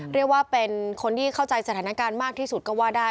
เรียกว่าเป็นคนที่เข้าใจสถานการณ์มากที่สุดก็ว่าได้